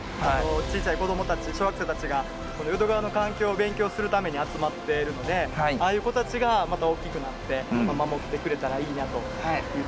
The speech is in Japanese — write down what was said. ちいちゃい子どもたち小学生たちが淀川の環境を勉強するために集まっているのでああいう子たちがまた大きくなって守ってくれたらいいなと思ってます。